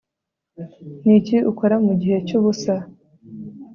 niki ukora mugihe cyubusa